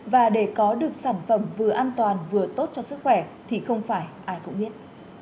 và để có được sản phẩm vừa an toàn vừa tốt cho sức khỏe thì không phải ai cũng biết